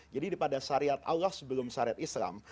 jadi pada syariat allah sebelum syariat islam